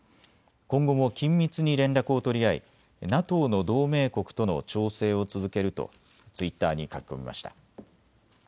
今後も緊密に連絡を取り合いＮＡＴＯの同盟国との調整を続けるとツイッターに書き込みました。